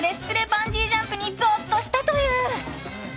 バンジージャンプにゾッとしたという。